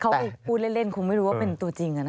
เขาพูดเล่นคงไม่รู้ว่าเป็นตัวจริง